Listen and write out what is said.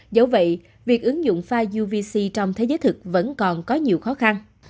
vậy việc ứng dụng pha uvc trong thế giới thực vẫn còn có nhiều khó khăn